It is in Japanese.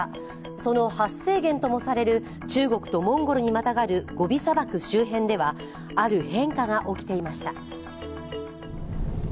その発生源ともされる中国とモンゴルにまたがるゴビ砂漠周辺ではある変化が起きていました。